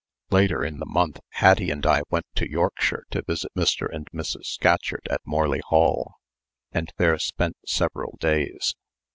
Later in the month Hattie and I went to Yorkshire to visit Mr. and Mrs. Scatcherd at Morley Hall, and there spent several days.